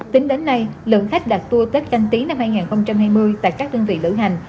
tính đến nay lượng khách đặt tour tết canh tí năm hai nghìn hai mươi tại các đơn vị lữ hành